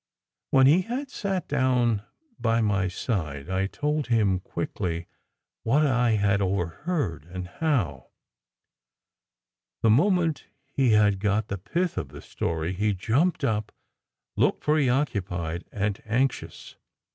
When he had sat down by my side, I told him quickly what I had overheard, and how. The moment he had got the pith of the story he jumped up, looking preoccupied and anxious.